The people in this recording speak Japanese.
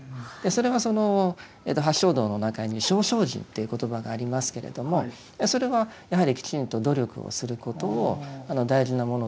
それはその八正道の中に「正精進」という言葉がありますけれどもそれはやはりきちんと努力をすることを大事なものとして認めています。